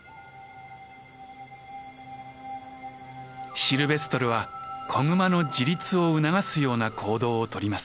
シルベストルは子グマの自立を促すような行動をとります。